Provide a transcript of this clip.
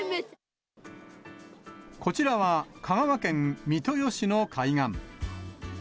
こちらは、香川県三豊市の海岸。